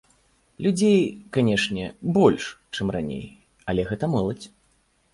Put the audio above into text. Людзей, канечне, больш, чым раней, але гэта моладзь.